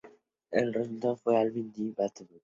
El resultado fue el álbum This is My Battlefield.